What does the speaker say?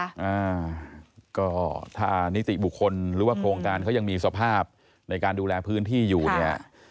อ่าก็ถ้านิติบุคคลหรือว่าโครงการเขายังมีสภาพในการดูแลพื้นที่อยู่เนี่ย